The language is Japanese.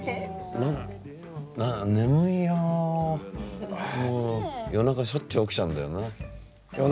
もう夜中しょっちゅう起きちゃうんだよな。